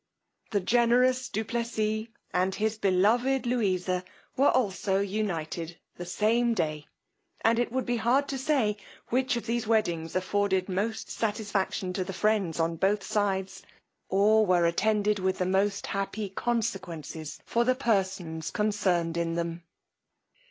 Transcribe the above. The generous du Plessis and his beloved Louisa were also united the same day; and it would be hard to say which of these weddings afforded most satisfaction to the friends on both sides, or were attended with the most happy consequences to the persons concerned in them.